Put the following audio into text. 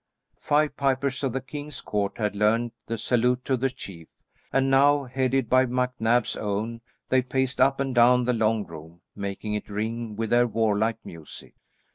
Five pipers of the king's court had learned the Salute to the Chief, and now, headed by MacNab's own, they paced up and down the long room, making it ring with their war like music.